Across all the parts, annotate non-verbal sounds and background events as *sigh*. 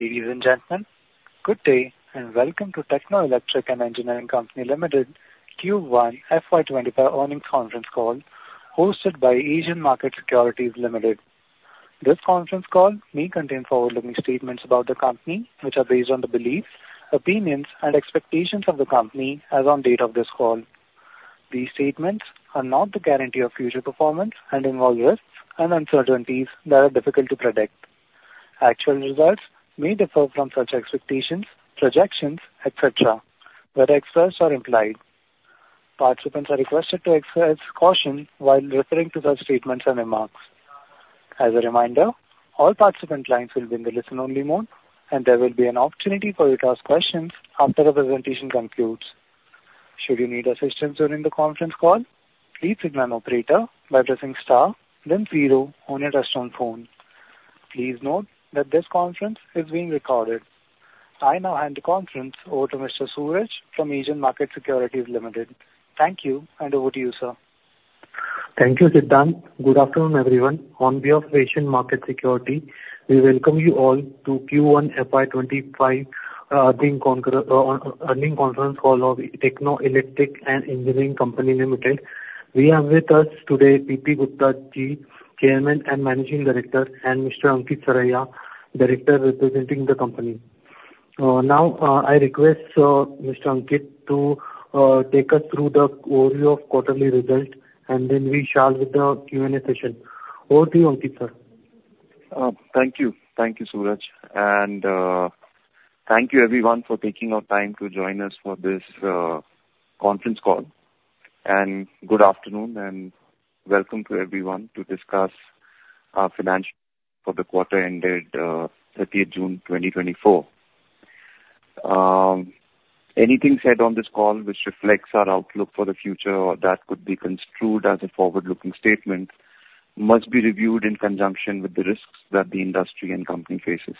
Ladies and gentlemen, good day, and welcome to Techno Electric and Engineering Company Ltd., Q1 FY 2025 earnings conference call, hosted by Asian Markets Securities Limited. This conference call may contain forward-looking statements about the company, which are based on the beliefs, opinions, and expectations of the company as on date of this call. These statements are not the guarantee of future performance and involve risks and uncertainties that are difficult to predict. Actual results may differ from such expectations, projections, et cetera, whether expressed or implied. Participants are requested to exercise caution while referring to such statements and remarks. As a reminder, all participant lines will be in the listen-only mode, and there will be an opportunity for you to ask questions after the presentation concludes. Should you need assistance during the conference call, please signal an operator by pressing star then zero on your touchtone phone. Please note that this conference is being recorded. I now hand the conference over to Mr. Suraj from Asian Markets Securities Limited. Thank you, and over to you, sir. Thank you, Siddhant. Good afternoon, everyone. On behalf of Asian Markets Securities, we welcome you all to Q1 FY 2025 earnings conference call of Techno Electric and Engineering Company Limited. We have with us today, P.P. Gupta, Chairman and Managing Director, and Mr. Ankit Saraiya, Director representing the company. Now, I request Mr. Ankit to take us through the overview of quarterly results, and then we shall with the Q&A session. Over to you, Ankit, sir. Thank you. Thank you, Suraj, and thank you everyone for taking out time to join us for this conference call. Good afternoon, and welcome to everyone to discuss our financials for the quarter ended thirtieth June 2024. Anything said on this call which reflects our outlook for the future or that could be construed as a forward-looking statement must be reviewed in conjunction with the risks that the industry and company faces.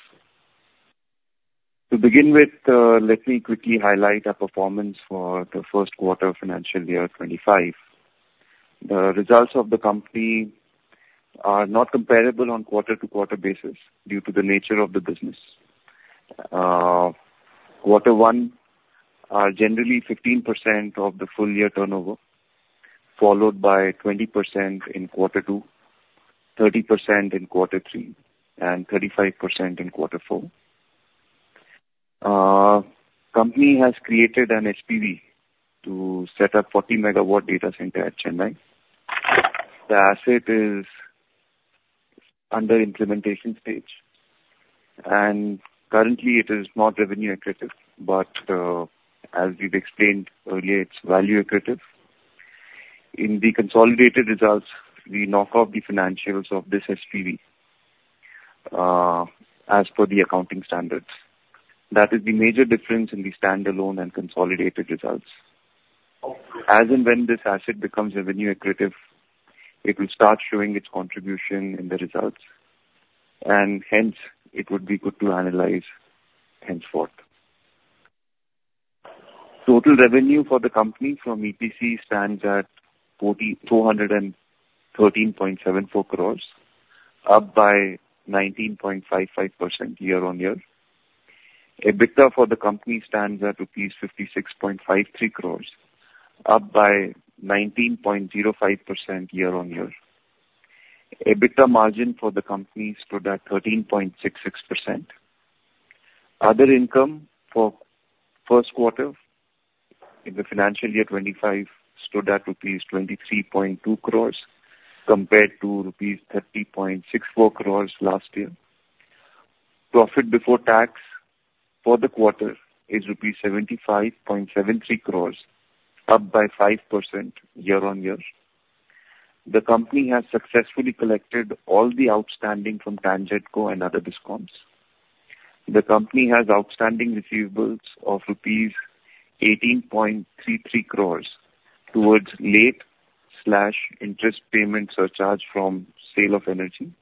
To begin with, let me quickly highlight our performance for the first quarter of financial year 25. The results of the company are not comparable on quarter-to-quarter basis due to the nature of the business. Quarter 1 are generally 15% of the full year turnover, followed by 20% in quarter 2, 30% in quarter 3, and 35% in quarter 4. Company has created an SPV to set up 40 MW data center at Chennai. The asset is under implementation stage, and currently it is not revenue accretive, but, as we've explained earlier, it's value accretive. In the consolidated results, we knock off the financials of this SPV, as per the accounting standards. That is the major difference in the standalone and consolidated results. As and when this asset becomes revenue accretive, it will start showing its contribution in the results, and hence, it would be good to analyze henceforth. Total revenue for the company from EPC stands at 213.74 crores, up by 19.55% year-on-year. EBITDA for the company stands at rupees 56.53 crores, up by 19.05% year-on-year. EBITDA margin for the company stood at 13.66%. Other income for first quarter in the financial year 2025 stood at rupees 23.2 crores compared to rupees 30.64 crores last year. Profit before tax for the quarter is rupees 75.73 crores, up 5% year-on-year. The company has successfully collected all the outstanding from TANGEDCO and other DISCOMs. The company has outstanding receivables of rupees 18.33 crores towards late/interest payment surcharge from sale of energy.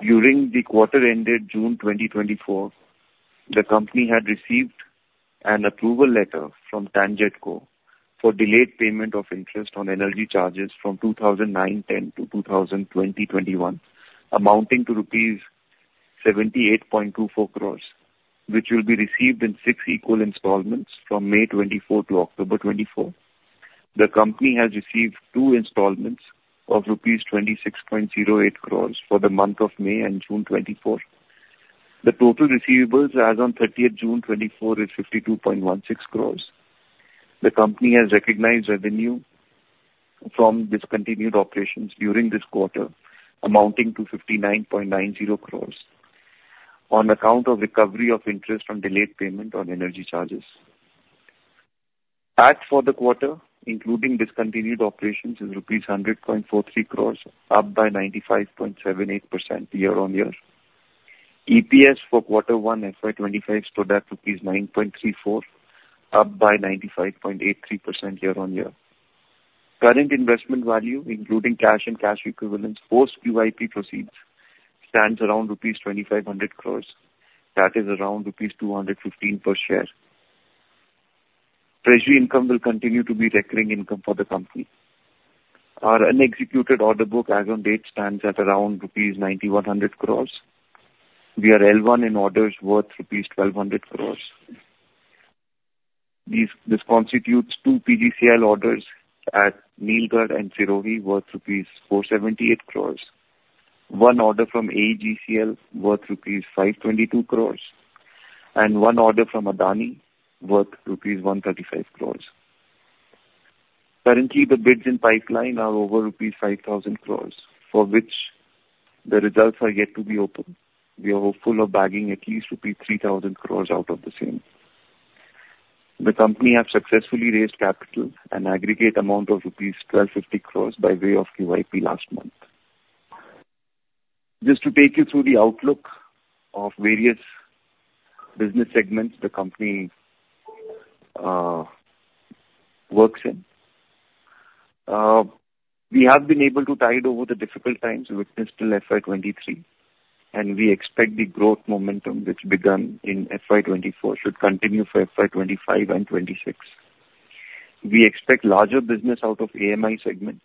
During the quarter ended June 2024, the company had received an approval letter from TANGEDCO for delayed payment of interest on energy charges from 2009-2010 to 2020-2021, amounting to rupees 78.24 crores, which will be received in six equal installments from May 2024 to October 2024. The company has received two installments of rupees 26.08 crores for the month of May and June 2024. The total receivables as on 30th June 2024 is 52.16 crores. The company has recognized revenue from discontinued operations during this quarter, amounting to 59.90 crores, on account of recovery of interest on delayed payment on energy charges. Tax for the quarter, including discontinued operations, is rupees 100.43 crores, up by 95.78% year-on-year. EPS for quarter one FY 2025 stood at rupees 9.34, up by 95.83% year-on-year. Current investment value, including cash and cash equivalents, post QIP proceeds, stands around rupees 2,500 crores. That is around rupees 215 per share.... Treasury income will continue to be recurring income for the company. Our unexecuted order book as on date stands at around rupees 9,100 crore. We are L1 in orders worth rupees 1,200 crore. This constitutes two PGCIL orders at Nilgarh and Sirohi worth INR 478 crore. One order from AEGCL worth 522 crore, and one order from Adani worth INR 135 crore. Currently, the bids in pipeline are over 5,000 crore rupees, for which the results are yet to be open. We are hopeful of bagging at least rupees 3,000 crore out of the same. The company have successfully raised capital, an aggregate amount of rupees 1,250 crore by way of QIP last month. Just to take you through the outlook of various business segments the company works in. We have been able to tide over the difficult times witnessed till FY 2023, and we expect the growth momentum, which begun in FY 2024, should continue for FY 2025 and 2026. We expect larger business out of AMI segment,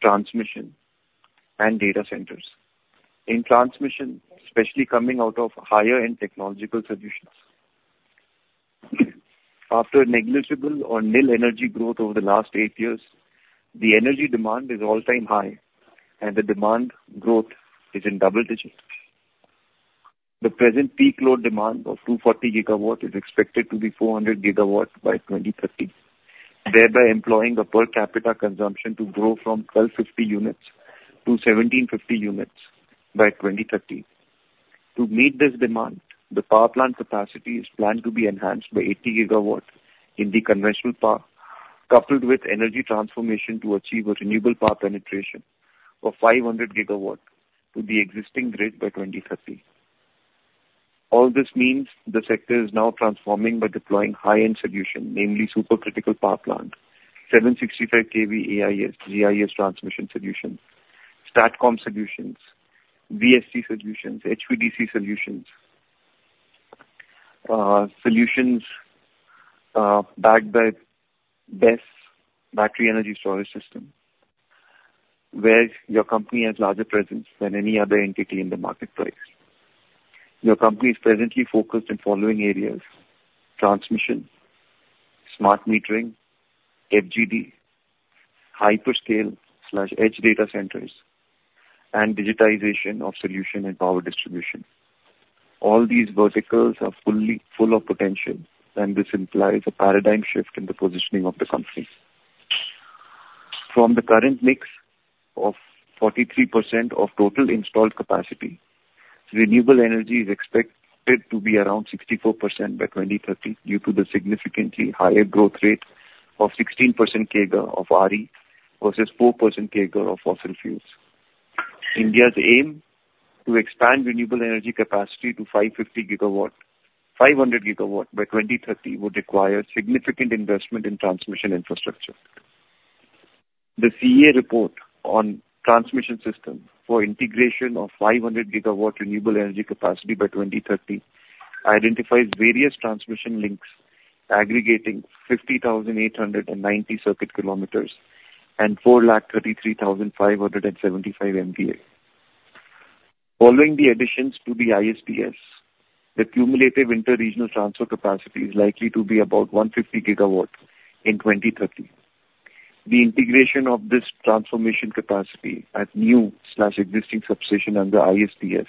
transmission, and data centers. In transmission, especially coming out of higher-end technological solutions. After a negligible or nil energy growth over the last eight years, the energy demand is all-time high, and the demand growth is in double digits. The present peak load demand of 240 GW is expected to be 400 GW by 2030, thereby employing the per capita consumption to grow from 1,250 units to 1,750 units by 2030. To meet this demand, the power plant capacity is planned to be enhanced by 80 GW in the conventional power, coupled with energy transformation to achieve a renewable power penetration of 500 GW to the existing grid by 2030. All this means the sector is now transforming by deploying high-end solution, namely supercritical power plant, 765 kV AIS, GIS transmission solutions, STATCOM solutions, VSC solutions, HVDC solutions, backed by BESS, battery energy storage system, where your company has larger presence than any other entity in the marketplace. Your company is presently focused in following areas: transmission, smart metering, FGD, hyperscale/edge data centers, and digitization of solution and power distribution. All these verticals are fully full of potential, and this implies a paradigm shift in the positioning of the company. From the current mix of 43% of total installed capacity, renewable energy is expected to be around 64% by 2030, due to the significantly higher growth rate of 16% CAGR of RE versus 4% CAGR of fossil fuels. India's aim to expand renewable energy capacity to 550 GW—500 GW by 2030, would require significant investment in transmission infrastructure. The CEA report on transmission system for integration of 500 GW renewable energy capacity by 2030, identifies various transmission links aggregating 50,890 circuit kilometers and 4 lakh 33,575 MVA. Following the additions to the ISTS, the cumulative interregional transfer capacity is likely to be about 150 GW in 2030. The integration of this transformation capacity at new/existing substation under ISTS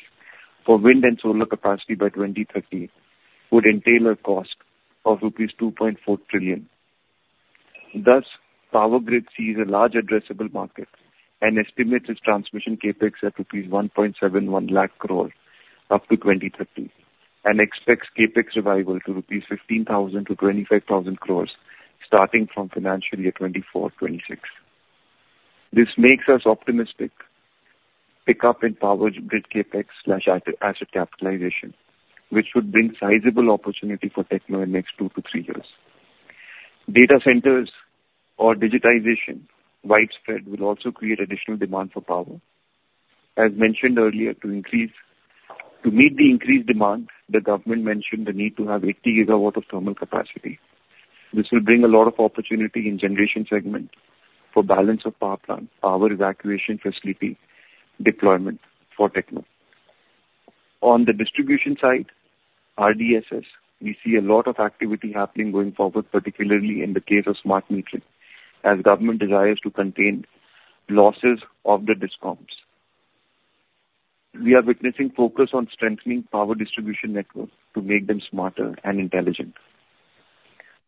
for wind and solar capacity by 2030, would entail a cost of rupees 2.4 trillion. Thus, Power Grid sees a large addressable market and estimates its transmission CapEx at rupees 171,000 crore up to 2030, and expects CapEx revival to 15,000-25,000 crore rupees, starting from financial year 2024, 2026. This makes us optimistic. Pick up in Power Grid CapEx/asset capitalization, which would bring sizable opportunity for Techno in next two to three years. Data centers or digitization widespread will also create additional demand for power. As mentioned earlier, to meet the increased demand, the government mentioned the need to have 80 GW of thermal capacity. This will bring a lot of opportunity in generation segment for Balance of Power Plant, power evacuation facility deployment for Techno. On the distribution side, RDSS, we see a lot of activity happening going forward, particularly in the case of smart metering, as government desires to contain losses of the DISCOMs. We are witnessing focus on strengthening power distribution networks to make them smarter and intelligent.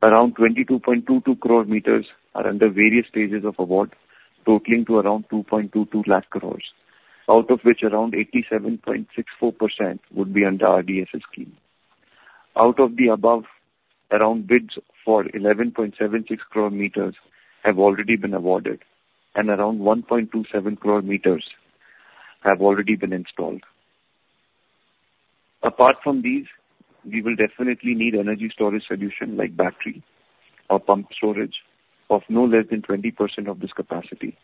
Around 22.22 crore meters are under various stages of award, totaling to around 2.22 lakh crore, out of which around 87.64% would be under RDSS scheme. Out of the above, around bids for 11.76 crore meters have already been awarded, and around 1.27 crore meters have already been installed. Apart from these, we will definitely need energy storage solution, like battery or pumped storage, of no less than 20% of this capacity.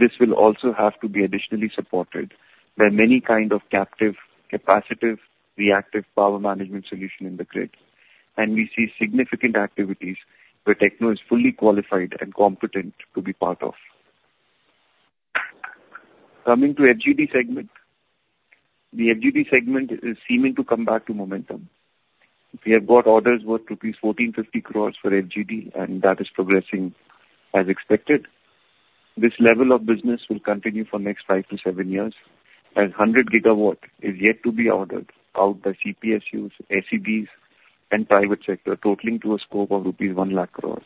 This will also have to be additionally supported by many kind of captive, capacitive, reactive power management solution in the grid. We see significant activities where Techno is fully qualified and competent to be part of. Coming to FGD segment. The FGD segment is seeming to come back to momentum. We have got orders worth rupees 1,450 crore for FGD, and that is progressing as expected. This level of business will continue for next 5-7 years, as 100 GW is yet to be ordered out by CPSUs, SEBs and private sector, totaling to a scope of rupees 1 lakh crore.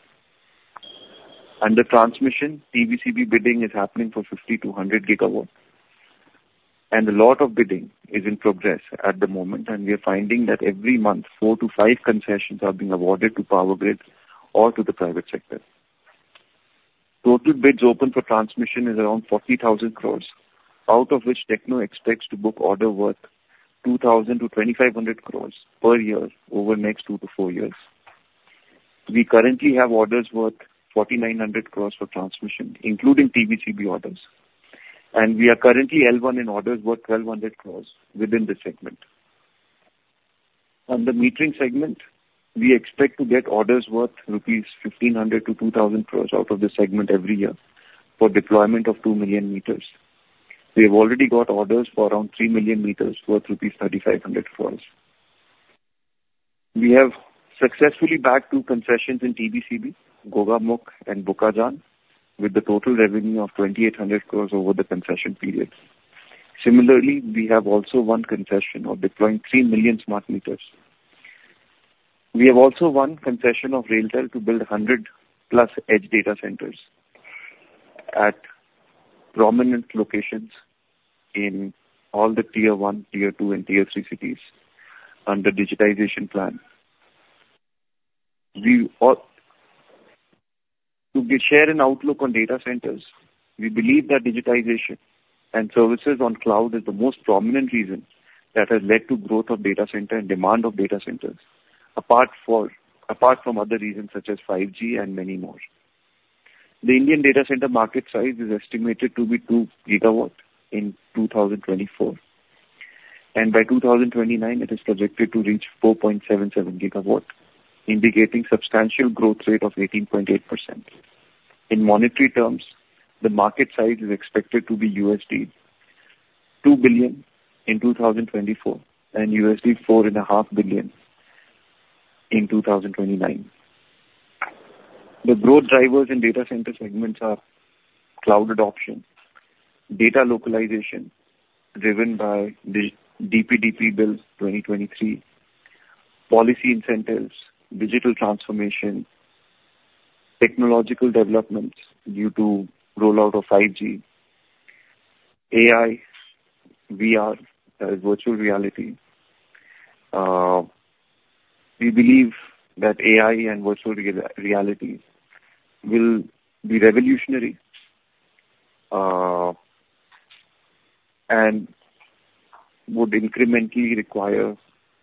Under transmission, TBCB bidding is happening for 50 GW-100 GW, and a lot of bidding is in progress at the moment, and we are finding that every month, 4-5 concessions are being awarded to Power Grid or to the private sector. Total bids open for transmission is around 40,000 crore, out of which Techno expects to book order worth 2,000-2,500 crore per year over the next 2-4 years. We currently have orders worth 4,900 crore for transmission, including TBCB orders, and we are currently L1 in orders worth 1,200 crore within this segment. Under metering segment, we expect to get orders worth 1,500-2,000 crore rupees out of this segment every year for deployment of 2 million meters. We have already got orders for around 3 million meters, worth rupees 3,500 crore. We have successfully bagged 2 concessions in TBCB, Gogamukh and Bokajan, with the total revenue of 2,800 crore over the concession periods. Similarly, we have also won concession of deploying 3 million smart meters. We have also won concession of RailTel to build 100+ edge data centers at prominent locations in all the Tier one, Tier two and Tier three cities under digitization plan. We ought to give share and outlook on data centers, we believe that digitization and services on cloud is the most prominent reason that has led to growth of data center and demand of data centers, apart from other reasons, such as 5G and many more. The Indian data center market size is estimated to be 2 GW in 2024, and by 2029, it is projected to reach 4.77 GW, indicating substantial growth rate of 18.8%. In monetary terms, the market size is expected to be $2 billion in 2024, and $4.5 billion in 2029. The growth drivers in data center segments are cloud adoption, data localization, driven by the DPDP Bill 2023, policy incentives, digital transformation, technological developments due to rollout of 5G, AI, VR, that is virtual reality. We believe that AI and virtual reality will be revolutionary, and would incrementally require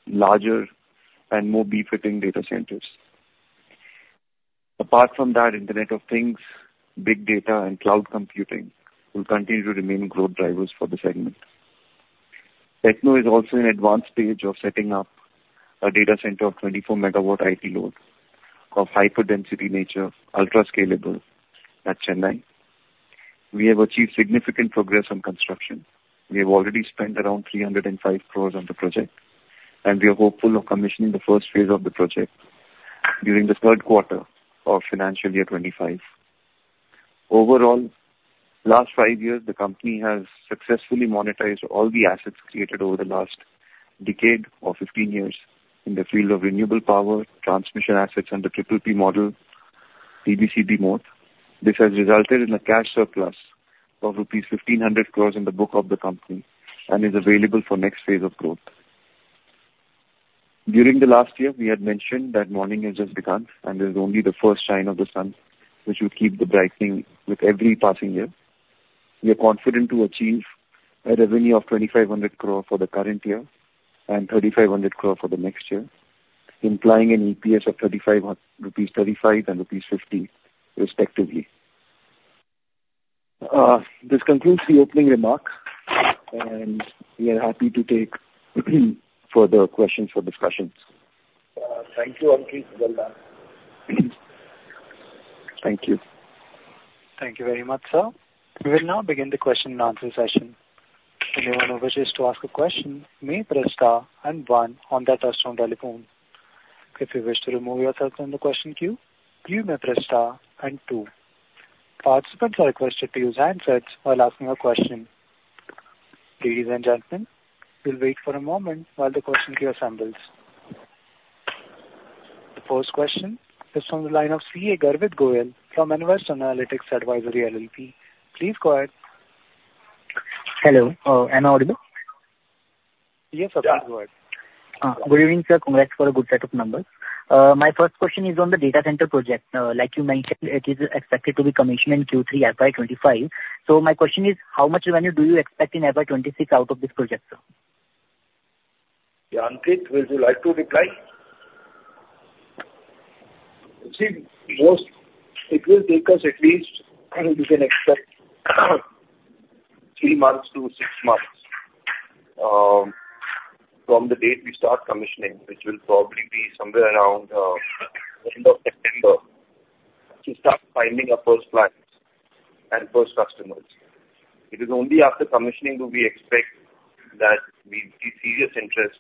larger and more befitting data centers. Apart from that, Internet of Things, big data and cloud computing will continue to remain growth drivers for the segment. Techno is also in advanced stage of setting up a data center of 24 MW IT load of hyper density nature, ultra scalable at Chennai. We have achieved significant progress on construction. We have already spent around 305 crore on the project, and we are hopeful of commissioning the first phase of the project during the third quarter of financial year 25. Overall, last five years, the company has successfully monetized all the assets created over the last decade or 15 years in the field of renewable power, transmission assets and the triple P model, TBCB mode. This has resulted in a cash surplus of rupees 1,500 crore in the book of the company and is available for next phase of growth. During the last year, we had mentioned that morning has just begun, and this is only the first shine of the sun, which would keep the brightening with every passing year. We are confident to achieve a revenue of 2,500 crore for the current year and 3,500 crore for the next year, implying an EPS of 35, rupees 35 and rupees 50 respectively. This concludes the opening remark, and we are happy to take further questions for discussions. Thank you, Ankit. Well done. Thank you. Thank you very much, sir. We will now begin the question and answer session. Anyone who wishes to ask a question, may press star and one on their touchtone telephone. If you wish to remove yourself from the question queue, you may press star and two. Participants are requested to use handsets while asking a question. Ladies and gentlemen, we'll wait for a moment while the question queue assembles. The first question is from the line of CA Garvit Goyal from Nvest Analytics Advisory LLP. Please go ahead. Hello. Am I audible? Yes, absolutely. Good evening, sir. Congrats for a good set of numbers. My first question is on the data center project. Like you mentioned, it is expected to be commissioned in Q3 FY 2025. So my question is: How much revenue do you expect in FY 2026 out of this project, sir? Yeah, Ankit, would you like to reply? See, it will take us at least, you can expect three months to six months from the date we start commissioning, which will probably be somewhere around end of September, to start finding our first clients and first customers. It is only after commissioning do we expect that we see serious interest,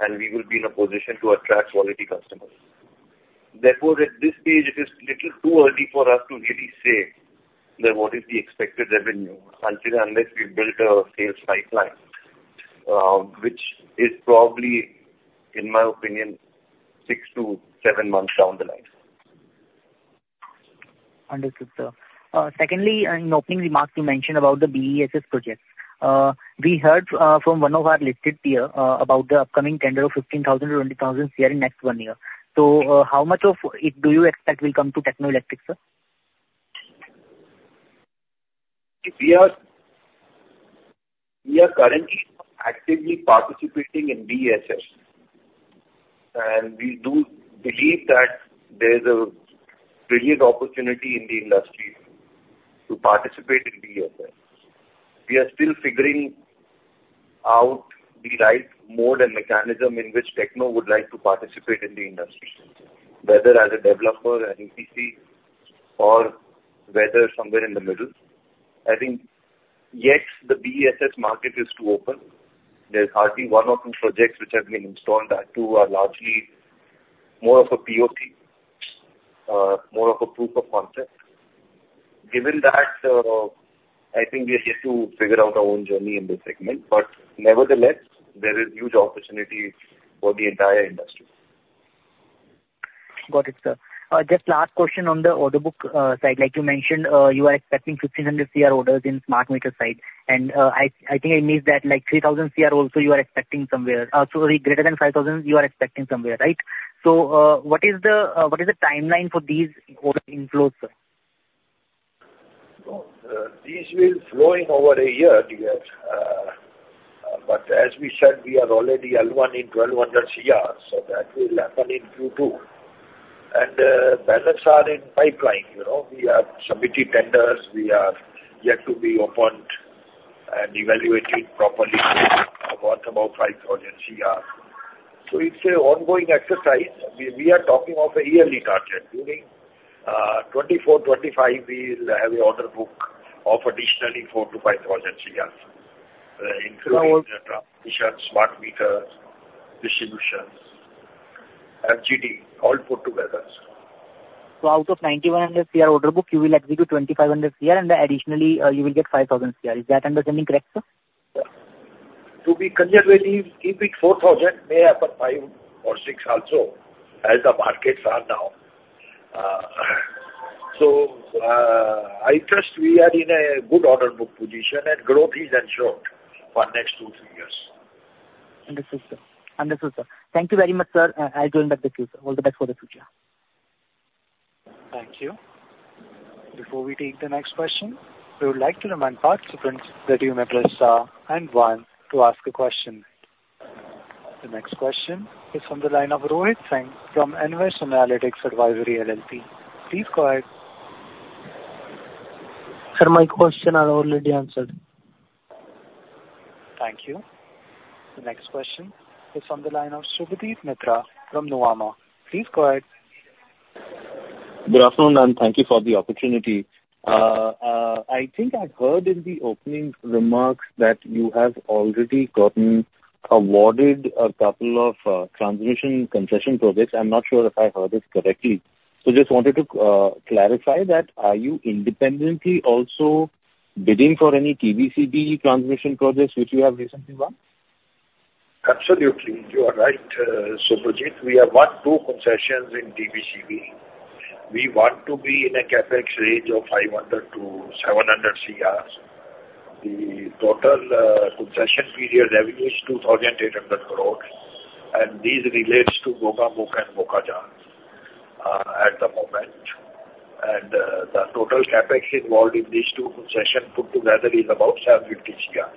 and we will be in a position to attract quality customers. Therefore, at this stage, it is little too early for us to really say that what is the expected revenue until unless we've built a sales pipeline, which is probably, in my opinion, six to seven months down the line. Understood, sir. Secondly, in opening remarks, you mentioned about the BESS projects. We heard from one of our listed peer about the upcoming tender of 15,000 crore-20,000 crore in next one year. So, how much of it do you expect will come to Techno Electric, sir? We are currently actively participating in BESS, and we do believe that there's a brilliant opportunity in the industry to participate in BESS. We are still figuring out the right mode and mechanism in which Techno would like to participate in the industry, whether as a developer, an EPC, or whether somewhere in the middle. I think, yet, the BESS market is too open. There's hardly one or two projects which have been installed, that too, are largely more of a PoC, more of a proof of concept. Given that, I think we are yet to figure out our own journey in this segment, but nevertheless, there is huge opportunity for the entire industry. Got it, sir. Just last question on the order book side. Like you mentioned, you are expecting 1,500 crore orders in smart meter side, and I think I missed that, like, 3,000 crore also you are expecting somewhere. Sorry, greater than 5,000 crore you are expecting somewhere, right? So, what is the timeline for these order inflows, sir? No, these will flow in over a year, dear. But as we said, we are already L1 in 1,200 crore, so that will happen in Q2. Balance are in pipeline. You know, we have submitted tenders, we are yet to be appointed and evaluated properly about 5,000 crore. So it's a ongoing exercise. We are talking of a yearly target. During 2024-2025, we'll have a order book of additionally 4,000 crore-5,000 crore, including transmission, smart meters, distribution, FGD, all put together. So out of 9,100 crore order book, you will execute 2,500 crore, and then additionally, you will get 5,000 crore. Is that understanding correct, sir? To be clear, keep it 4,000, may happen 5 or 6 also, as the markets are now. So, I trust we are in a good order book position, and growth is ensured for next 2, 3 years. Understood, sir. Understood, sir. Thank you very much, sir. I join back the queue, sir. All the best for the future. Thank you. Before we take the next question, we would like to remind participants that you may press star and one to ask a question. The next question is from the line of Rohit Singh from Nvest Analytics Advisory LLP. Please go ahead. Sir, my question are already answered. Thank you. The next question is from the line of Subhadip Mitra from Nuvama. Please go ahead. Good afternoon, and thank you for the opportunity. I think I heard in the opening remarks that you have already gotten awarded a couple of transmission concession projects. I'm not sure if I heard this correctly. So just wanted to clarify that. Are you independently also bidding for any TBCB transmission projects which you have recently won? Absolutely. You are right, Subhadip. We have won two concessions in TBCB. We want to be in a CapEx range of 500-700 crore. The total concession period revenue is 2,800 crore, and this relates to Bokajan and Gogamukh at the moment. And the total CapEx involved in these two concessions put together is about 750 crore.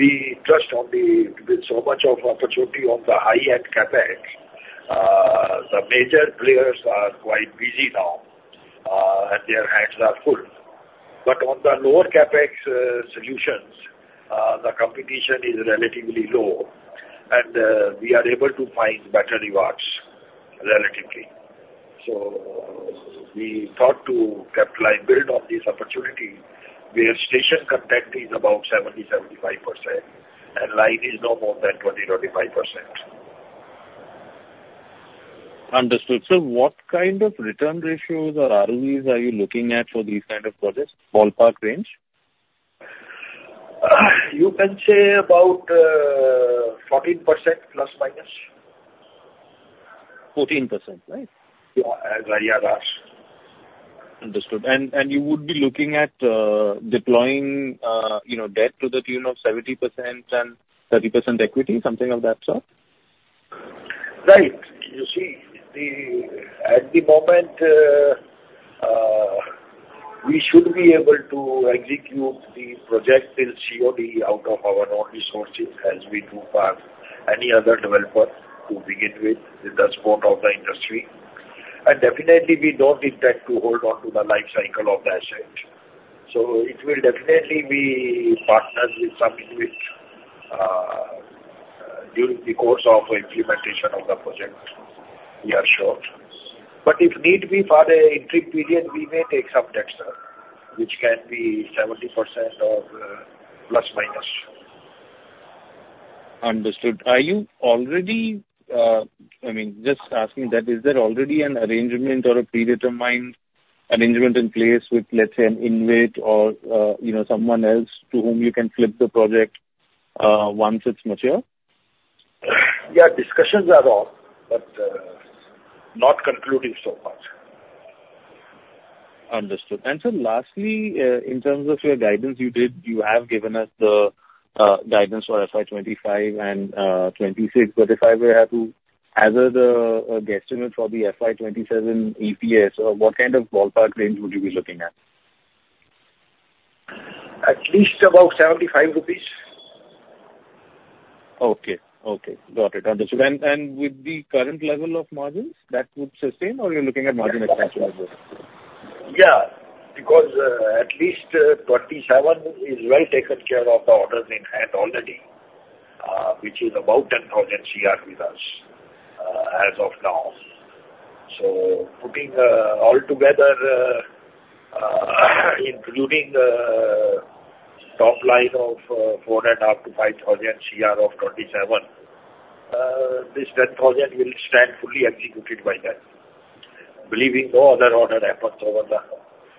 With so much of opportunity on the high-end CapEx, the major players are quite busy now and their hands are full. But on the lower CapEx solutions, the competition is relatively low, and we are able to find better rewards, relatively. So we thought to capitalize, build on this opportunity, where station component is about 70%-75%, and line is no more than 20%-25%. Understood. So what kind of return ratios or ROEs are you looking at for these kind of projects? Ballpark range. You can say about 14%±. 14%, right? Yeah. Yeah, yes. Understood. And you would be looking at, you know, deploying debt to the tune of 70% and 30% equity, something of that sort? Right. You see, at the moment, we able to execute the project till COD out of our own resources, as we do for any other developer to begin with, with the support of the industry. And definitely, we don't intend to hold onto the life cycle of the asset. So it will definitely be partners with some with, during the course of implementation of the project, we are sure. But if need be, for a interim period, we may take some debt, sir, which can be 70%±. Understood. Are you already, I mean, just asking that, is there already an arrangement or a predetermined arrangement in place with, let's say, an InvIT or, you know, someone else to whom you can flip the project, once it's mature? Yeah, discussions are on, but not concluding so far. Understood. Sir, lastly, in terms of your guidance, you have given us the guidance for FY 2025 and 2026. But if I were to hazard a guesstimate for the FY 2027 EPS, what kind of ballpark range would you be looking at? At least about 75 rupees. Okay. Got it. Understood. And with the current level of margins, that would sustain or you're looking at margin expansion as well? Yeah. Because, at least, 2027 is well taken care of the orders in hand already, which is about 10,000 crore with us, as of now. So putting, all together, including, top line of, 4,500 crore to 5,000 crore of 2027, this ten thousand will stand fully executed by then. Believing no other order efforts over the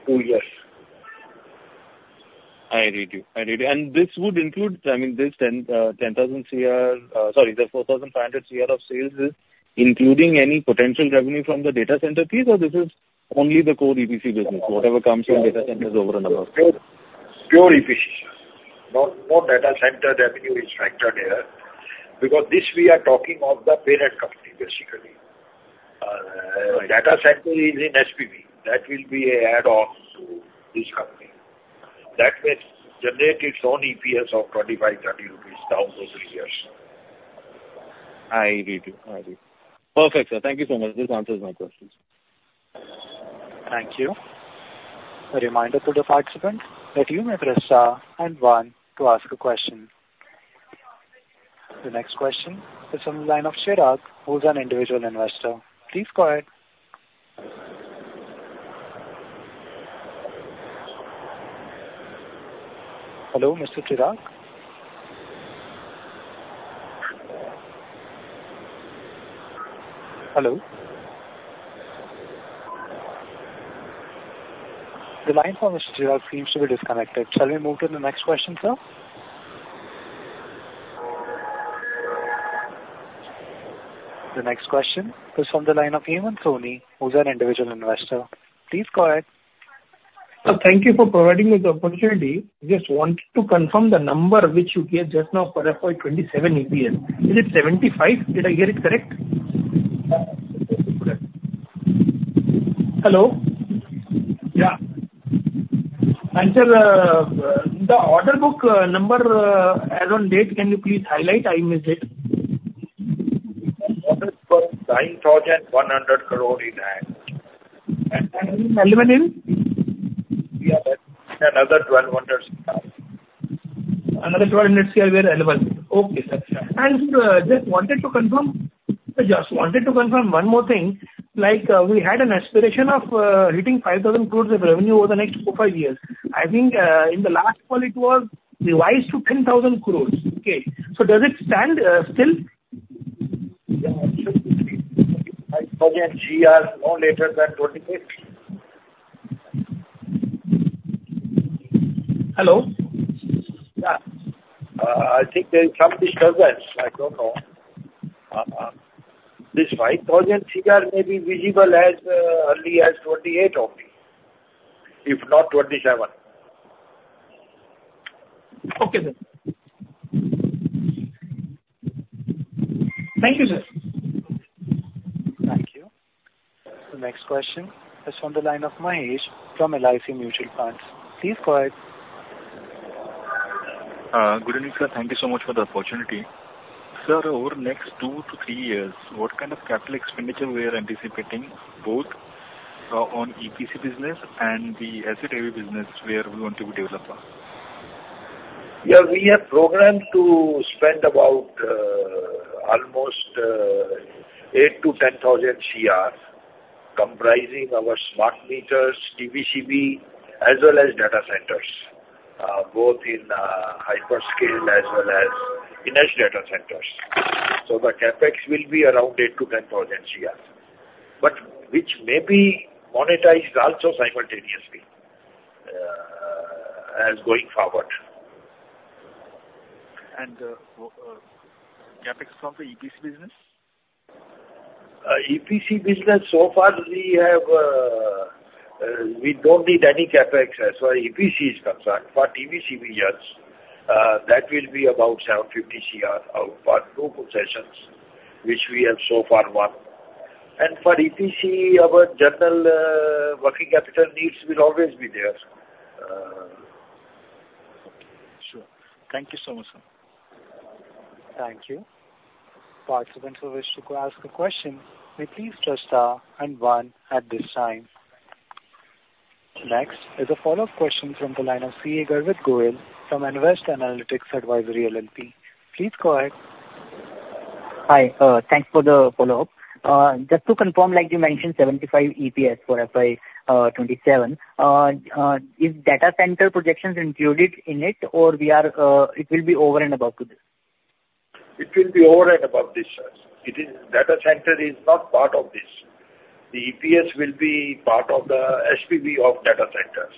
2 years. I read you. I read you. And this would include, I mean, this 10,000 crore, the 4,500 crore of sales is including any potential revenue from the data center piece, or this is only the core EPC business, whatever comes from data centers over and above? Pure EPC. No, no data center revenue is factored here, because this we are talking of the parent company, basically. Data center is in SPV. That will be an add-on to this company. That may generate its own EPS of 25-30 rupees down those years. I read you. I read you. Perfect, sir. Thank you so much. This answers my questions. Thank you. A reminder to the participants that you may press star and one to ask a question. The next question is on the line of Chirag, who is an individual investor. Please go ahead. Hello, Mr. Chirag? Hello? The line from Mr. Chirag seems to be disconnected. Shall we move to the next question, sir? The next question is from the line of Hemant Soni, who's an individual investor. Please go ahead. Sir, thank you for providing me the opportunity. Just wanted to confirm the number which you gave just now for FY 2027 EPS. Is it 75? Did I get it correct? Hello? Yeah. And sir, the order book number, as on date, can you please highlight? I missed it. Orders for INR 9,100 crore in hand. And relevant in? Yeah, another INR 1,200 crore. Another INR 1,200 crore were relevant. Okay, sir. Yeah. Just wanted to confirm, just wanted to confirm one more thing. Like, we had an aspiration of hitting 5,000 crore of revenue over the next 4-5 years. I think, in the last call, it was revised to 10,000 crore. Okay. So does it stand still? Yeah, it should be INR 5,000 crore no later than 2028. Hello? Yeah. I think there is some disturbance. I don't know. This 5,000 crore may be visible as early as 2028 only, if not 2027. Okay, sir. Thank you, sir. Thank you. The next question is on the line of Mahesh from LIC Mutual Fund. Please go ahead. Good evening, sir. Thank you so much for the opportunity. Sir, over the next 2-3 years, what kind of capital expenditure we are anticipating, both on EPC business and the asset-heavy business, where we want to be developer? Yeah, we have programmed to spend about, almost, 8,000 crore-10,000 crore, comprising our smart meters, TBCB, as well as data centers, both in, hyperscale as well as in-house data centers. So the CapEx will be around 8,000 crore-10,000 crore, but which may be monetized also simultaneously, as going forward. CapEx from the EPC business? EPC business, so far we have, we don't need any CapEx as far as EPC is concerned. But TBCB yes, that will be about 750 crore out for 2 concessions, which we have so far won. And for EPC, our general working capital needs will always be there. Okay, sure. Thank you so much, sir. Thank you. Participants who wish to go ask a question, may please press star and one at this time. Next is a follow-up question from the line of CA Garvit Goyal from Nvest Analytics Advisory LLP. Please go ahead. Hi, thanks for the follow-up. Just to confirm, like you mentioned, 75 EPS for FY 2027, is data center projections included in it, or we are, it will be over and above to this? It will be over and above this, yes. It is, data center is not part of this. The EPS will be part of the SPV of data centers.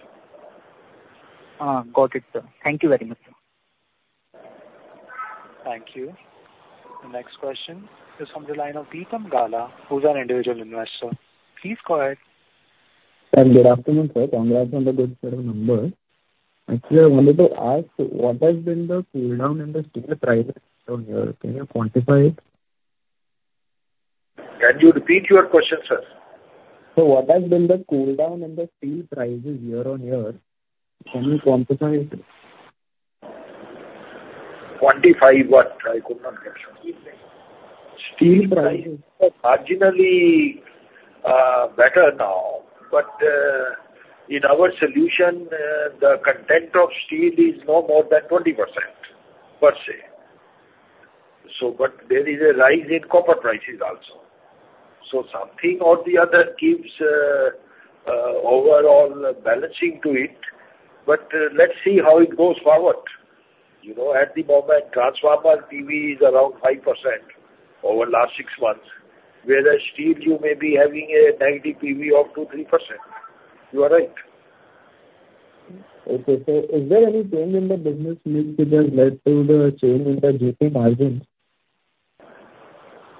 Ah, got it, sir. Thank you very much. Thank you. The next question is from the line of Deepam Gala, who's an individual investor. Please go ahead. Good afternoon, sir. Congrats on the good set of numbers. Actually, I wanted to ask, what has been the cool down in the steel prices from here? Can you quantify it? Can you repeat your question, sir? What has been the cool down in the steel prices year on year? Can you quantify it? Quantify what? I could not get you. Steel price. Steel price is marginally better now, but in our solution, the content of steel is no more than 20% per se. So but there is a rise in copper prices also. So something or the other gives overall balancing to it, but let's see how it goes forward. You know, at the moment, transformer PV is around 5% over last 6 months, whereas steel, you may be having a negative PV of 2%-3%. You are right. Okay, so is there any change in the business mix that has led to the change in the GP margin?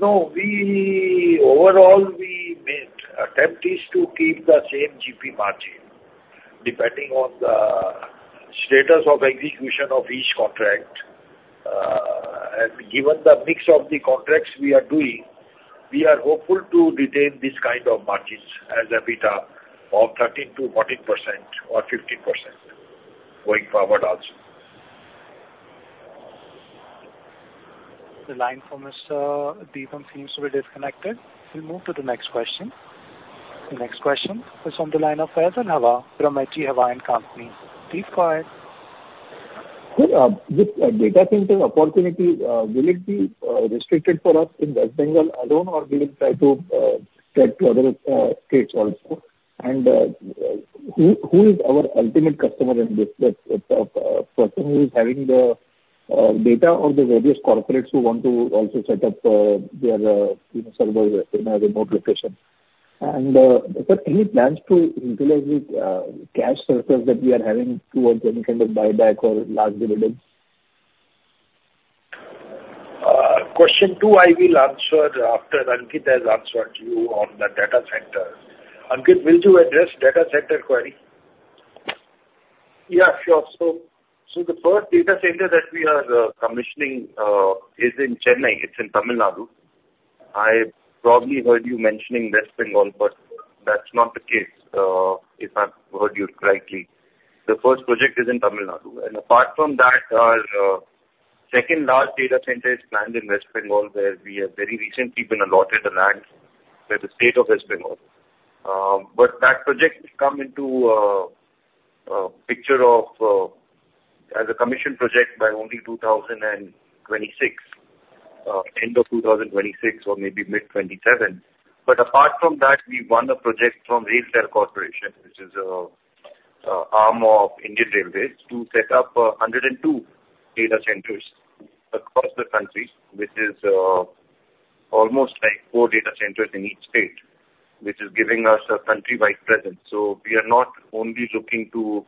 No, we... Overall, we made attempt is to keep the same GP margin, depending on the status of execution of each contract. And given the mix of the contracts we are doing, we are hopeful to retain this kind of margins as EBITDA of 13%-14% or 15% going forward also. The line from Mr. Deepam seems to be disconnected. We'll move to the next question. The next question is on the line of Faisal Hawa from H.G. Hawa & Co. Please go ahead. Sir, with data center opportunity, will it be restricted for us in West Bengal alone, or will it try to get to other states also? And, who is our ultimate customer in this, that person who is having the data of the various corporates who want to also set up their you know servers in a remote location. And, sir, any plans to utilize the cash surplus that we are having towards any kind of buyback or large dividends? Question two, I will answer after Ankit has answered you on the data center. Ankit, will you address data center query? Yeah, sure. So, so the first data center that we are commissioning is in Chennai. It's in Tamil Nadu. I probably heard you mentioning West Bengal, but that's not the case, if I've heard you correctly. The first project is in Tamil Nadu, and apart from that, our second large data center is planned in West Bengal, where we have very recently been allotted the land by the state of West Bengal. But that project will come into picture of as a commission project by only 2026, end of 2026 or maybe mid-2027. But apart from that, we won a project from RailTel Corporation, which is an arm of Indian Railways, to set up 102 data centers across the country, which is almost like four data centers in each state, which is giving us a countrywide presence. So we are not only looking to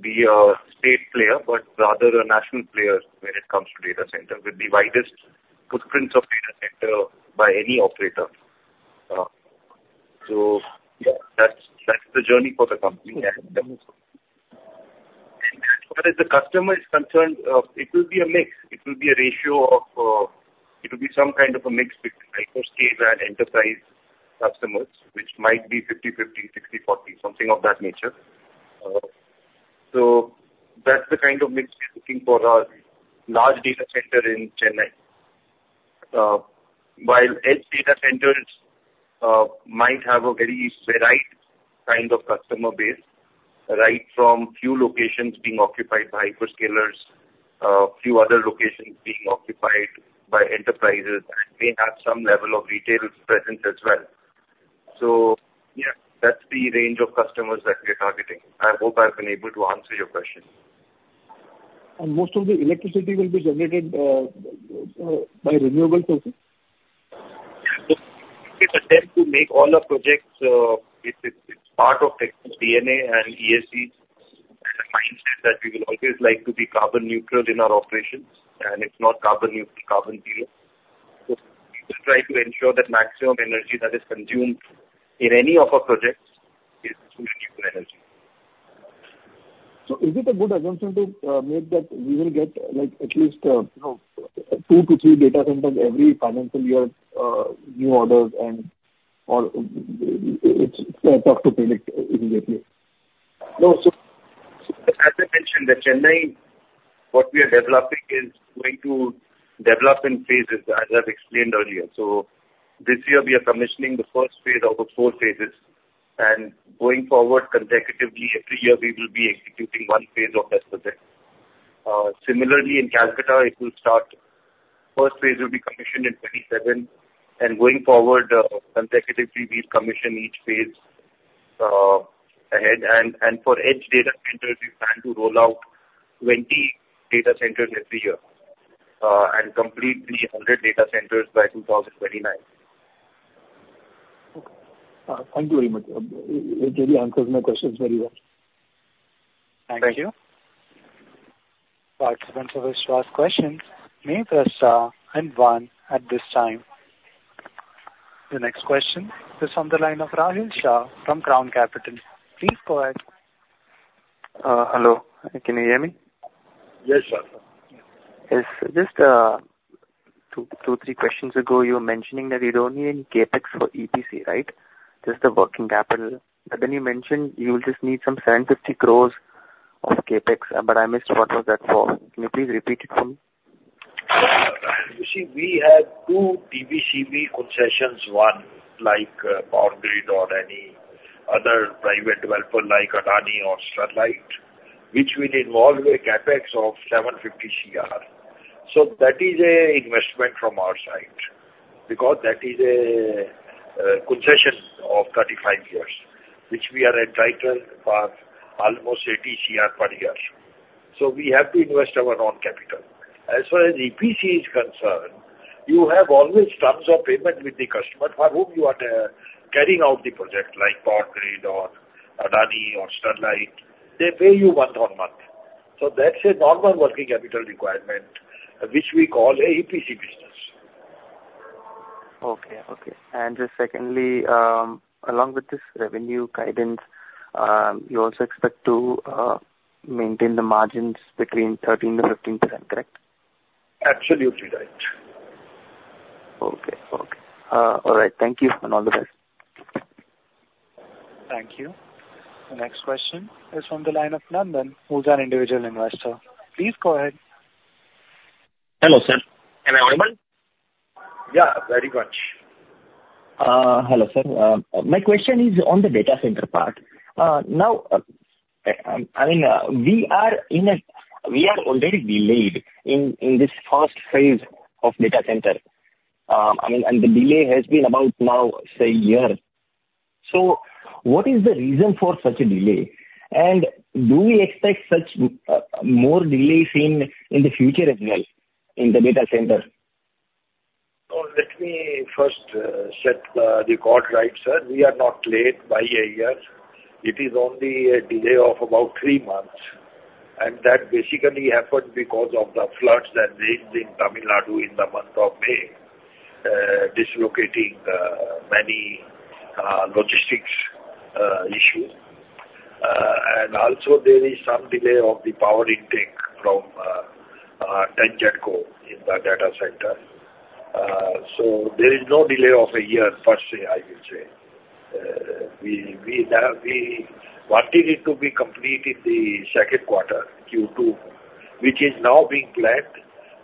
be a state player, but rather a national player when it comes to data center, with the widest footprints of data center by any operator. So yeah, that's, that's the journey for the company. And as far as the customer is concerned, it will be a mix. It will be a ratio of, it will be some kind of a mix between hyperscale and enterprise customers, which might be 50/50, 60/40, something of that nature. So that's the kind of mix we're looking for our large data center in Chennai. While edge data centers might have a very varied kind of customer base, right from few locations being occupied by hyperscalers, few other locations being occupied by enterprises and may have some level of retail presence as well. So yeah, that's the range of customers that we are targeting. I hope I've been able to answer your question. Most of the electricity will be generated by renewable sources? Yeah, so it's attempt to make all our projects, it's part of the company's DNA and ESG, and a mindset that we will always like to be carbon neutral in our operations, and it's not carbon neutral, carbon zero. So we will try to ensure that maximum energy that is consumed in any of our projects.... So is it a good assumption to make that we will get, like, at least, you know, 2-3 data centers every financial year, new orders and or it's tough to predict immediately? No. So, as I mentioned, the Chennai, what we are developing is going to develop in phases, as I've explained earlier. So this year we are commissioning the first phase out of four phases, and going forward, consecutively, every year we will be executing one phase of this project. Similarly, in Kolkata, it will start, first phase will be commissioned in 2027, and going forward, consecutively, we commission each phase, ahead. And for edge data centers, we plan to roll out 20 data centers every year, and complete 300 data centers by 2029. Okay. Thank you very much. It really answers my questions very well. Thank you. Thank you. Participants who wish to ask questions, may press star and one at this time. The next question is on the line of Rahil Shah from Crown Capital. Please go ahead. Hello. Can you hear me? Yes, sure. Yes. Just, 2, 2, 3 questions ago, you were mentioning that you don't need any CapEx for EPC, right? Just the working capital. But then you mentioned you will just need some 750 crore of CapEx, but I missed what was that for. Can you please repeat it for me? You see, we have two TBCB concessions, one like, Power Grid or any other private developer like Adani or Sterlite, which will involve a CapEx of 750 crore. So that is an investment from our side, because that is a concession of 35 years, which we are entitled for almost 80 crore per year. So we have to invest our own capital. As far as EPC is concerned, you have always terms of payment with the customer for whom you are carrying out the project, like Power Grid or Adani or Sterlite. They pay you month on month, so that's a normal working capital requirement, which we call an EPC business. Okay. Okay. And just secondly, along with this revenue guidance, you also expect to maintain the margins between 13%-15%, correct? Absolutely right. Okay. Okay. All right, thank you, and all the best. Thank you. The next question is from the line of Nandan, who is an individual investor. Please go ahead. Hello, sir. Am I audible? Yeah, very much. Hello, sir. My question is on the data center part. Now, I mean, we are already delayed in this first phase of data center. I mean, and the delay has been about now, say, a year. So what is the reason for such a delay? And do we expect such more delays in the future as well in the data center? No, let me first set the record right, sir. We are not late by a year. It is only a delay of about three months, and that basically happened because of the floods that rained in Tamil Nadu in the month of May, dislocating many logistics issues. And also there is some delay of the power intake from TANGEDCO in the data center. So there is no delay of a year per se, I will say. We have what needed to be complete in the second quarter, Q2, which is now being planned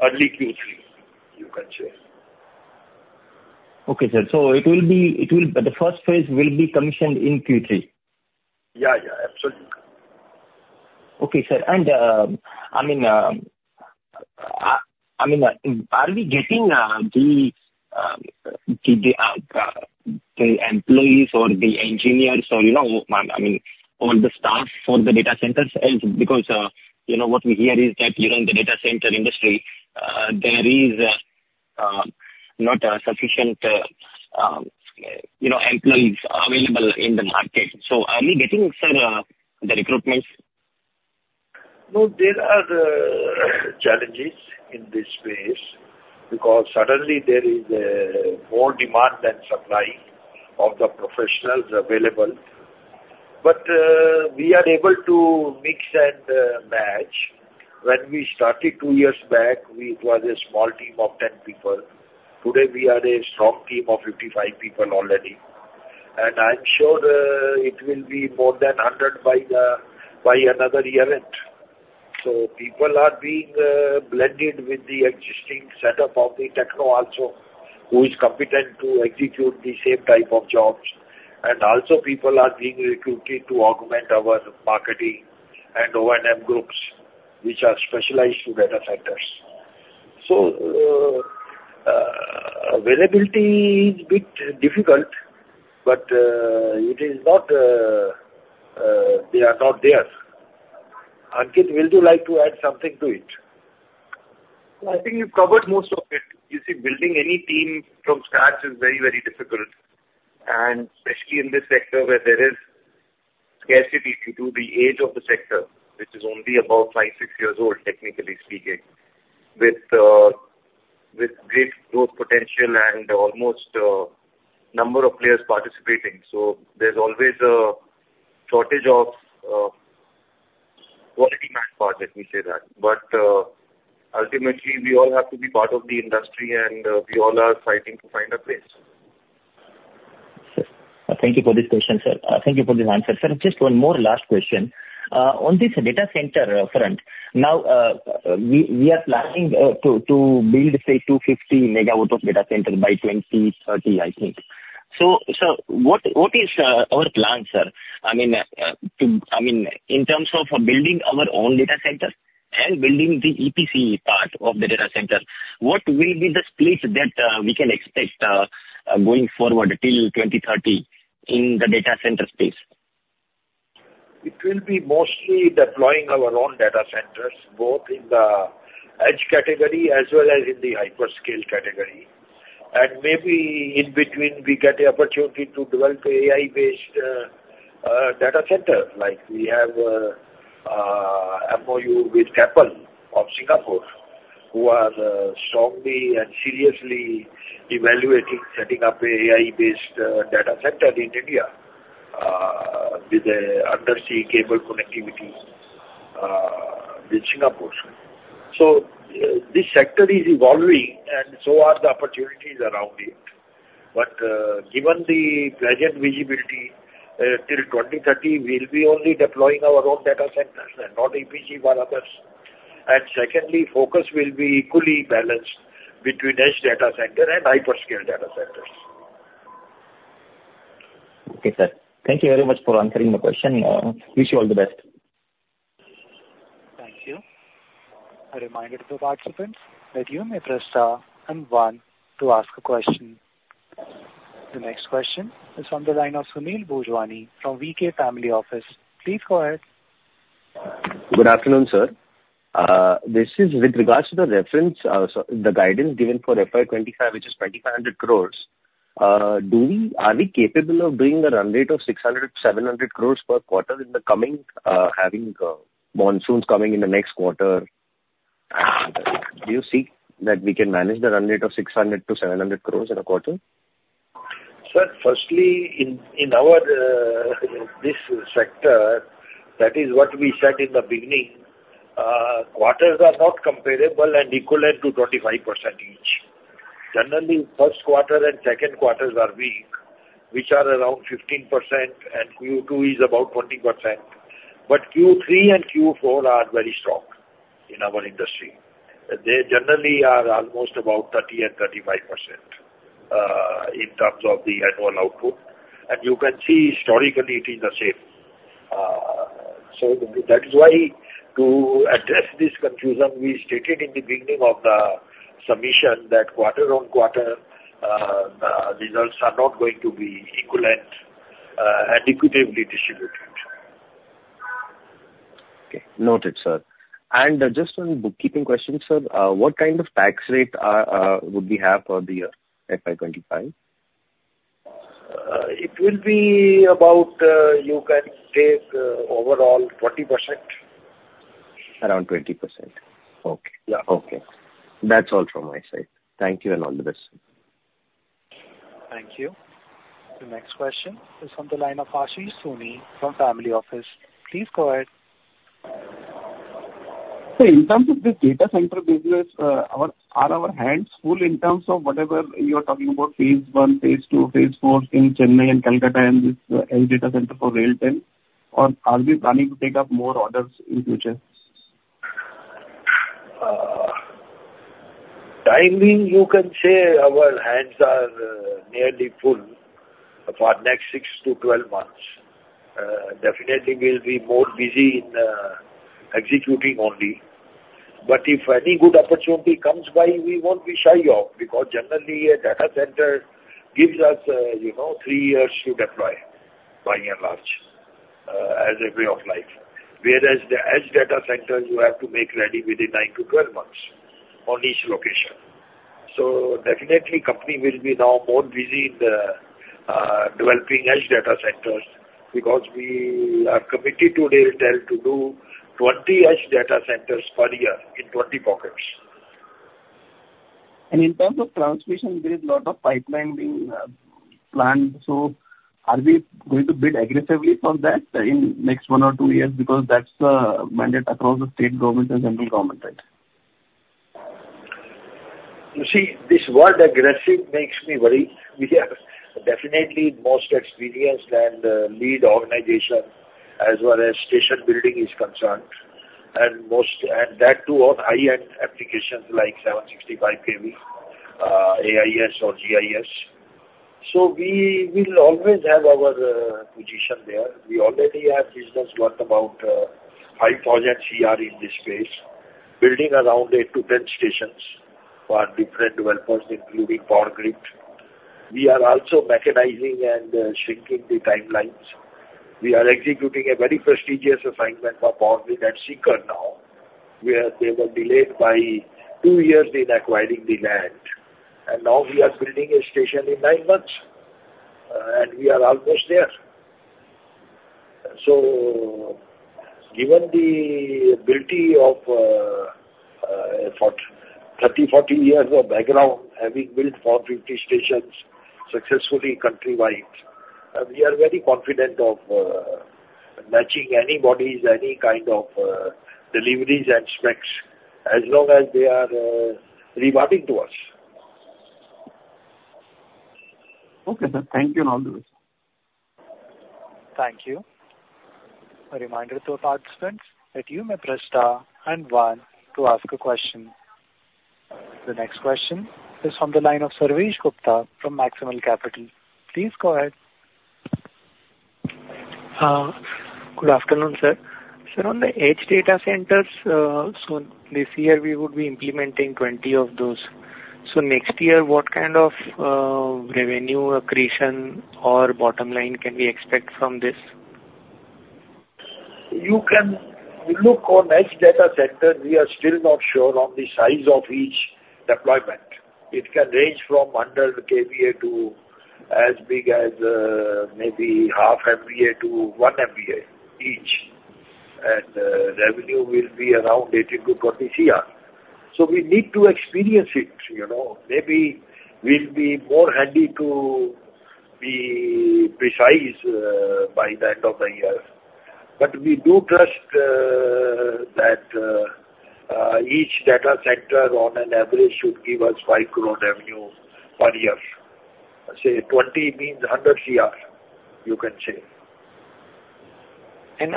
early Q3, you can say. Okay, sir. So it will be... The first phase will be commissioned in Q3? Yeah, yeah, absolutely. Okay, sir. And, I mean, are we getting the employees or the engineers or, you know, I mean, all the staff for the data centers? As because, you know, what we hear is that, you know, in the data center industry, there is not sufficient, you know, employees available in the market. So are we getting, sir, the recruitments? No, there are challenges in this space, because suddenly there is more demand than supply of the professionals available. But we are able to mix and match. When we started two years back, it was a small team of 10 people. Today, we are a strong team of 55 people already, and I'm sure it will be more than 100 by the, by another year end. So people are being blended with the existing setup of the Techno also, who is competent to execute the same type of jobs. And also people are being recruited to augment our marketing and O&M groups, which are specialized to data centers. So availability is bit difficult, but it is not they are not there. Ankit, would you like to add something to it? I think you've covered most of it. You see, building any team from scratch is very, very difficult, and especially in this sector where there is scarcity due to the age of the sector, which is only about 5-6 years old, technically speaking, with great growth potential and almost number of players participating. So there's always a shortage of quality manpower, let me say that. But ultimately, we all have to be part of the industry, and we all are fighting to find a place. Sir, thank you for this question, sir. Thank you for this answer. Sir, just one more last question. On this data center front, now, we are planning to build, say, 250 MW of data center by 2030, I think. So what is our plan, sir? I mean, I mean, in terms of building our own data center and building the EPC part of the data center, what will be the split that we can expect going forward till 2030 in the data center space? It will be mostly deploying our own data centers, both in the edge category as well as in the hyperscale category. And maybe in between, we get the opportunity to develop AI-based data center, like we have MOU with Keppel of Singapore, who are strongly and seriously evaluating setting up AI-based data center in India, with a undersea cable connectivity with Singapore. So, this sector is evolving and so are the opportunities around it. But given the present visibility, till 2030, we'll be only deploying our own data centers and not EPC for others. And secondly, focus will be equally balanced between edge data center and hyperscale data centers. Okay, sir. Thank you very much for answering the question. Wish you all the best. Thank you. A reminder to the participants that you may press star and one to ask a question. The next question is on the line of Sunil Bhojwani from VK Family Office. Please go ahead. Good afternoon, sir. This is with regards to the reference, so the guidance given for FY 2025, which is 2,500 crore. Are we capable of doing a run rate of 600 crore-700 crore per quarter in the coming, having, monsoons coming in the next quarter? Do you see that we can manage the run rate of 600 crore-700 crore in a quarter? Sir, firstly, in our this sector, that is what we said in the beginning, quarters are not comparable and equivalent to 25% each. Generally, first quarter and second quarters are weak, which are around 15%, and Q2 is about 20%. But Q3 and Q4 are very strong in our industry. They generally are almost about 30% and 35%, in terms of the annual output, and you can see historically it is the same. So that is why, to address this confusion, we stated in the beginning of the submission that quarter-over-quarter results are not going to be equivalent and equitably distributed. Okay. Noted, sir. And just one bookkeeping question, sir. What kind of tax rate would we have for the year FY 2025? It will be about, you can take, overall 40%. Around 20%. Okay. Yeah. Okay. That's all from my side. Thank you and all the best. Thank you. The next question is on the line of Ashish Soni from Family Office. Please go ahead. So in terms of this data center business, are our hands full in terms of whatever you are talking about, phase one, phase two, phase four in Chennai and Kolkata and this edge data center for RailTel, or are we planning to take up more orders in future? Timing, you can say our hands are nearly full for next 6-12 months. Definitely we'll be more busy in executing only, but if any good opportunity comes by, we won't be shy off, because generally a data center gives us, you know, 3 years to deploy, by and large, as a way of life. Whereas the edge data center, you have to make ready within 9-12 months on each location. So definitely, company will be now more busy in the developing edge data centers, because we are committed to RailTel to do 20 edge data centers per year in 20 pockets. In terms of transmission, there is a lot of pipeline being planned, so are we going to bid aggressively for that in next one or two years? Because that's the mandate across the state government and central government, right? You see, this word aggressive makes me worry. We are definitely most experienced and, lead organization as well as station building is concerned, and most... And that too, on high-end applications like 765 kV, AIS or GIS. So we will always have our, position there. We already have business, worth about, 5 projects here in this space, building around 8-10 stations for different developers, including Power Grid. We are also mechanizing and, shrinking the timelines. We are executing a very prestigious assignment for Power Grid at *audio distortion* now, where they were delayed by 2 years in acquiring the land, and now we are building a station in 9 months, and we are almost there.... Given the ability of 30-40 years of background, having built 450 stations successfully countrywide, we are very confident of matching anybody's, any kind of, deliveries and specs, as long as they are rewarding to us. Okay, sir. Thank you, and all the best. Thank you. A reminder to participants that you may press star and one to ask a question. The next question is on the line of Sarvesh Gupta from Maximal Capital. Please go ahead. Good afternoon, sir. Sir, on the edge data centers, so this year we would be implementing 20 of those. So next year, what kind of revenue accretion or bottom line can we expect from this? You can look on edge data center, we are still not sure on the size of each deployment. It can range from under kVA to as big as, maybe 0.5 MVA-1 MVA each, and revenue will be around 18 crore-20 crore. So we need to experience it, you know. Maybe we'll be more handy to be precise, by the end of the year. But we do trust that each data center on an average should give us 5 crore revenue per year. Say 20 means 100 CR, you can say.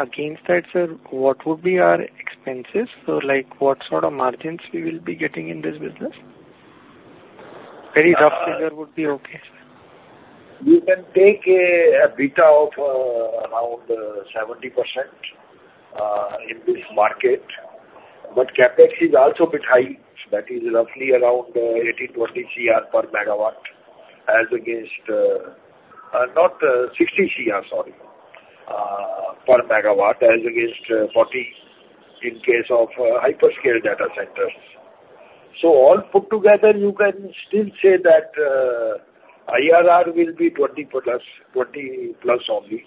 Against that, sir, what would be our expenses? Like, what sort of margins we will be getting in this business? Very rough figure would be okay, sir. You can take EBITDA of around 70% in this market, but CapEx is also a bit high. That is roughly around 18 crore-20 crore per megawatt, as against... not 60 crore, sorry, per megawatt, as against 40 in case of hyperscale data centers. So all put together, you can still say that IRR will be 20%+, 20%+ only.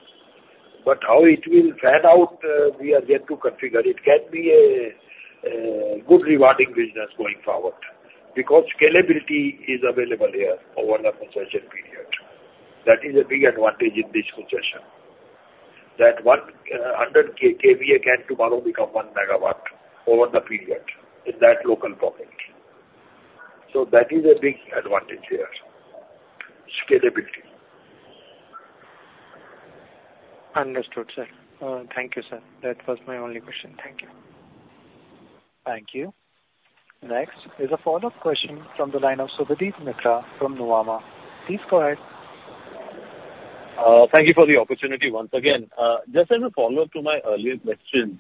But how it will pan out, we are yet to configure. It can be a good rewarding business going forward, because scalability is available here over the concession period. That is a big advantage in this concession, that 100 kVA can tomorrow become 1 MW over the period in that local pocket. So that is a big advantage here, scalability. Understood, sir. Thank you, sir. That was my only question. Thank you. Thank you. Next is a follow-up question from the line of Subhadip Mitra from Nuvama. Please go ahead. Thank you for the opportunity once again. Just as a follow-up to my earlier question,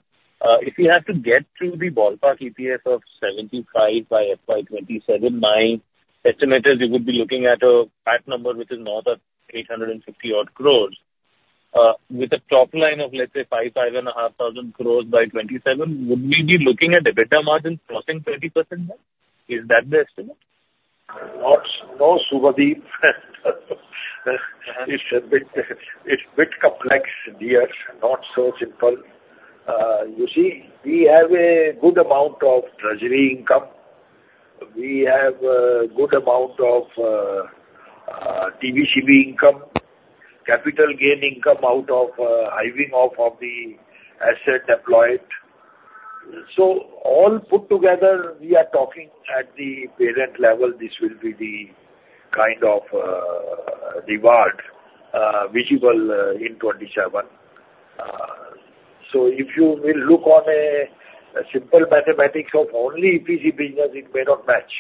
if you have to get to the ballpark EPS of 75 by FY 2027, my estimate is you would be looking at a PAT number which is north of 850 odd crores. With a top line of, let's say, 5,000-5,500 crores by 2027, would we be looking at EBITDA margin crossing 20% mark? Is that the estimate? No, no, Subhadip. It's a bit complex year, not so simple. You see, we have a good amount of treasury income. We have a good amount of TBCB income, capital gain income out of hiving off of the asset deployed. So all put together, we are talking at the parent level, this will be the kind of reward visible in 2027. So if you will look on a simple mathematics of only EPC business, it may not match.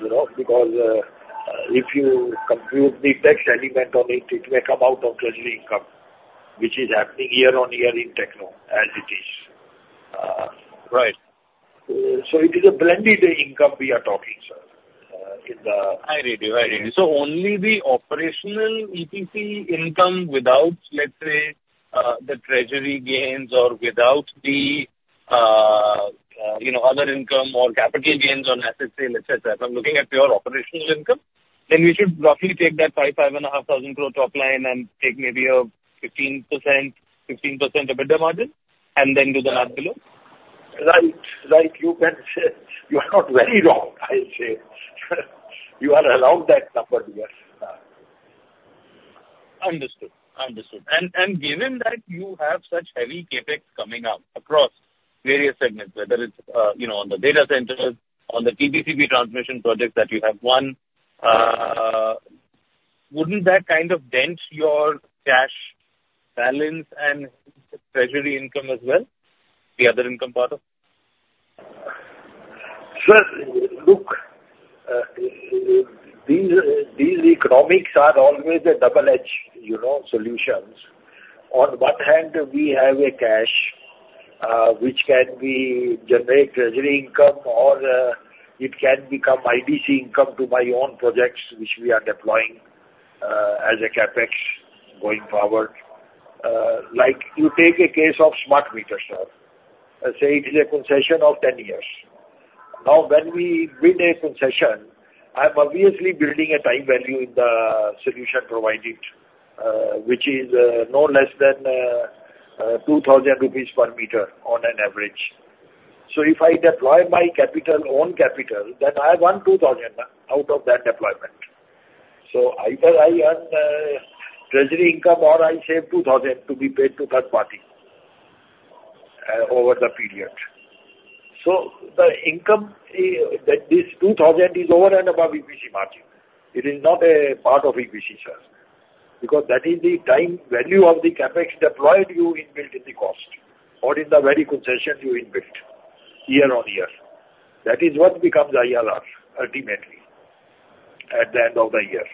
You know, because if you compute the tax element on it, it may come out of treasury income, which is happening year-on-year in Techno, as it is. Right. So it is a blended income we are talking, sir, in the- I agree, I agree. So only the operational EPC income without, let's say, the treasury gains or without the, you know, other income or capital gains on asset sale, et cetera. If I'm looking at pure operational income, then we should roughly take that 5,000 crore-5,500 crore top line and take maybe a 15%, 15% EBITDA margin, and then do the math below? Right. Right, you can say you are not very wrong, I'll say. You are around that number, yes. Understood. Understood. And given that you have such heavy CapEx coming up across various segments, whether it's, you know, on the data centers, on the TBCB transmission projects that you have won, wouldn't that kind of dent your cash balance and treasury income as well, the other income part of? Sir, look, these economics are always a double-edged, you know, solutions. On one hand, we have a cash, which can be generate treasury income or, it can become EPC income to my own projects, which we are deploying, as a CapEx going forward. Like you take a case of smart meters, sir. Let's say it is a concession of 10 years. Now, when we win a concession, I'm obviously building a time value in the solution provided, which is, no less than, two thousand rupees per meter on an average. So if I deploy my capital, own capital, then I want 2,000 out of that deployment. So either I earn, treasury income or I save 2,000 to be paid to third party, over the period. So the income, that this 2000 is over and above EPC margin. It is not a part of EPC, sir, because that is the time value of the CapEx deployed you inbuilt in the cost or in the very concession you inbuilt year on year. That is what becomes IRR, ultimately, at the end of the year.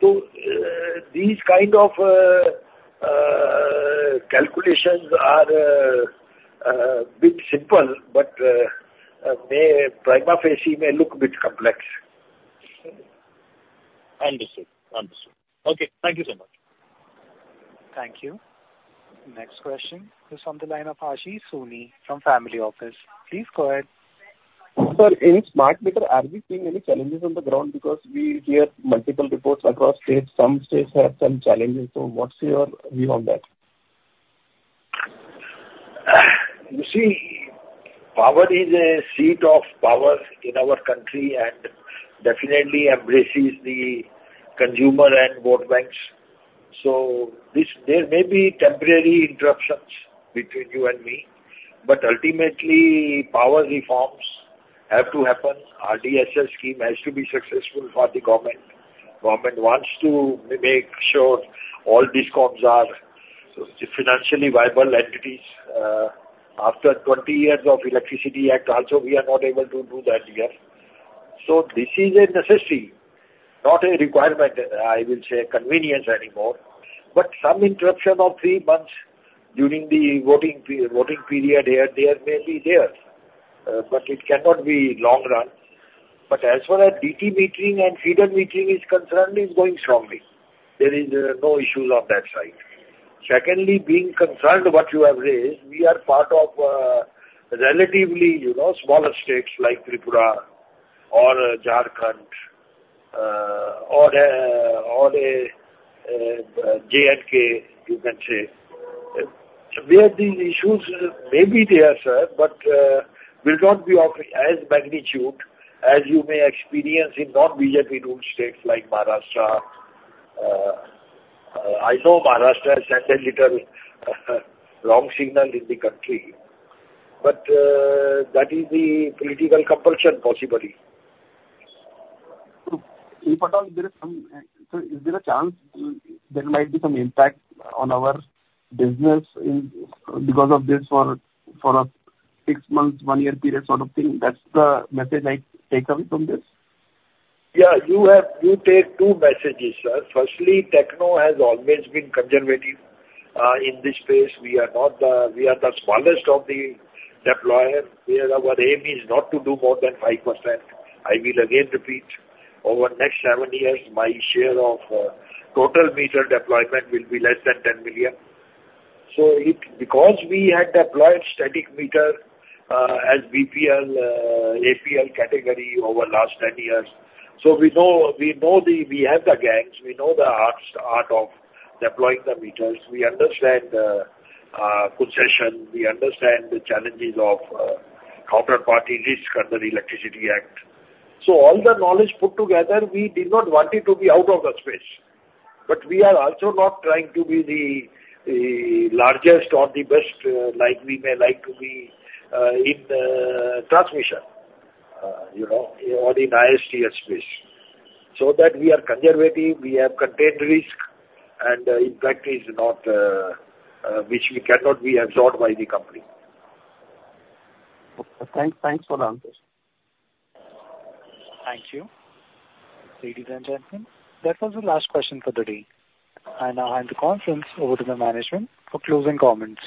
So, these kind of calculations are bit simple, but they prima facie may look bit complex. Understood. Understood. Okay, thank you so much. Thank you. Next question is on the line of Ashish Soni from Family Office. Please go ahead. Sir, in smart meter, are we seeing any challenges on the ground? Because we hear multiple reports across states. Some states have some challenges, so what's your view on that? You see, power is a seat of power in our country and definitely embraces the consumer and vote banks. So this... There may be temporary interruptions between you and me, but ultimately, power reforms have to happen. RDSS scheme has to be successful for the government. Government wants to make sure all DISCOMs are financially viable entities. After 20 years of Electricity Act, also, we are not able to do that yet. So this is a necessity, not a requirement, I will say, convenience anymore, but some interruption of 3 months during the voting pre-voting period here, they are mainly there, but it cannot be long run. But as far as DT metering and feeder metering is concerned, is going strongly. There is no issues on that side. Secondly, being concerned what you have raised, we are part of, relatively, you know, smaller states like Tripura or Jharkhand, or, or, J&K, you can say. Where these issues may be there, sir, but, will not be of as magnitude as you may experience in non-BJP ruled states like Maharashtra. I know Maharashtra has sent a little wrong signal in the country, but, that is the political compulsion, possibly. If at all there is some, Sir, is there a chance there might be some impact on our business in, because of this for, for a six months, one year period sort of thing? That's the message I take away from this. Yeah, you have two messages, sir. Firstly, Techno has always been conservative in this space. We are not the-- We are the smallest of the deployers, where our aim is not to do more than 5%. I will again repeat, over the next 7 years, my share of total meter deployment will be less than 10 million. So it, because we had deployed static meter as BPL, APL category over last 10 years, so we know, we know the, we have the gangs, we know the art of deploying the meters. We understand concession, we understand the challenges of counterparty risk under the Electricity Act. So all the knowledge put together, we did not want it to be out of the space, but we are also not trying to be the, the largest or the best, like we may like to be, in transmission, you know, or in ISTS space. So that we are conservative, we have contained risk, and impact is not, which we cannot be absorbed by the company. Okay. Thanks, thanks for the answer. Thank you. Ladies and gentlemen, that was the last question for the day, and I hand the conference over to the management for closing comments.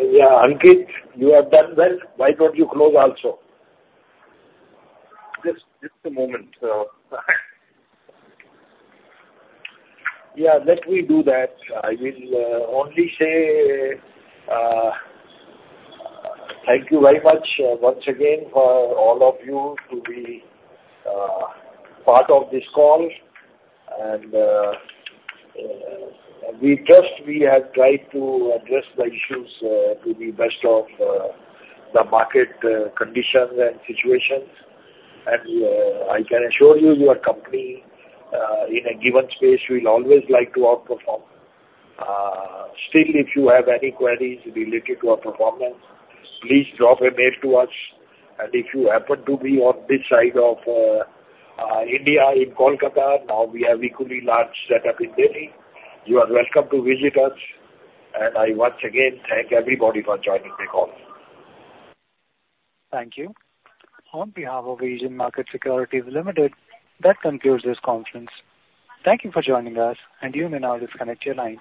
Yeah, Ankit, you have done well. Why don't you close also? Just, just a moment, sir. Yeah, let me do that. I will only say thank you very much once again for all of you to be part of this call. And we trust we have tried to address the issues to the best of the market conditions and situations. And I can assure you, your company in a given space will always like to outperform. Still, if you have any queries related to our performance, please drop a mail to us. And if you happen to be on this side of India, in Kolkata, now we have equally large setup in Delhi, you are welcome to visit us. And I once again thank everybody for joining the call. Thank you. On behalf of Asian Markets Securities Limited, that concludes this conference. Thank you for joining us, and you may now disconnect your lines.